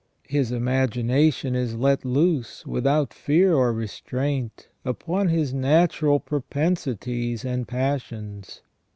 His imagination is let loose, without fear or restraint, upon his natural propensities and passions.